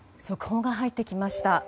速報が入ってきました。